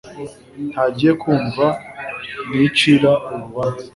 Ntangiye kumva nicira urubanza.